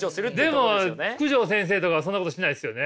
でも九条先生とかはそんなことしないですよね。